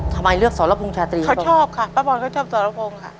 ทำไมเลือกสรพงษาตรีเขาชอบค่ะป้าบอลเขาชอบสรพงศ์ค่ะ